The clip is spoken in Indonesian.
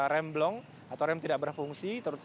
rem blong atau rem tidak berfungsi